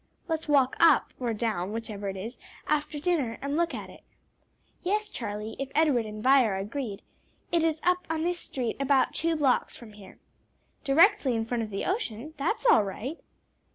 "Let's walk up (or down, whichever it is) after dinner and look at it." "Yes, Charlie, if Edward and Vi are agreed. It is up, on this street, about two blocks from here." "Directly in front of the ocean? That's all right."